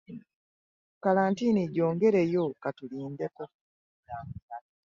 Kkalantiini gyongereyo katulindeko.